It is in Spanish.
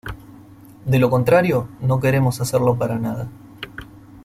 De lo contrario, no queremos hacerlo para nada.